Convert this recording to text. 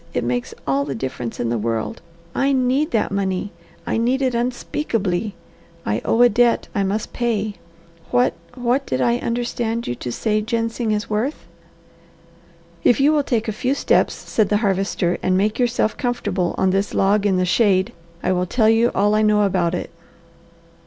It makes all the difference in the world! I need that money! I need it unspeakably. I owe a debt I must pay. What what did I understand you to say ginseng is worth?" "If you will take a few steps," said the Harvester, "and make yourself comfortable on this log in the shade, I will tell you all I know about it."